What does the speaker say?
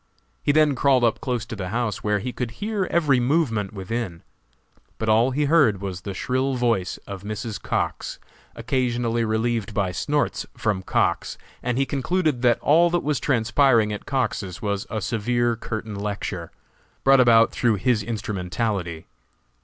He then crawled up close to the house, where he could hear every movement within; but all he heard was the shrill voice of Mrs. Cox, occasionally relieved by snorts from Cox, and he concluded that all that was transpiring at Cox's was a severe curtain lecture, brought about through his instrumentality.